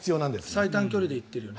最短距離で行っているよね。